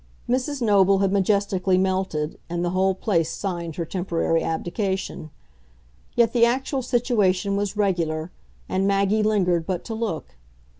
Mrs. Noble had majestically melted, and the whole place signed her temporary abdication; yet the actual situation was regular, and Maggie lingered but to look.